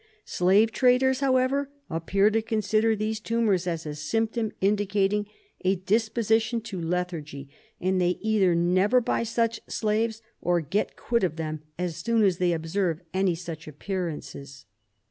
Slave traders, however, appear to consider these tumours as a symptom indicating a disposi tion to lethargy, and they either never buy such slaves or get quit of them as soon as they observe any such appear ances.